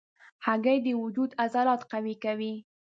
هګۍ د وجود عضلات قوي کوي.